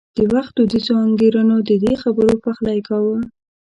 د وخت دودیزو انګېرنو د دې خبرو پخلی کاوه.